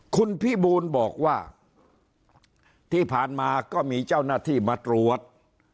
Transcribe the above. คุณพี่บูลบอกว่าที่ผ่านมาก็มีเจ้าหน้าที่มาตรวจ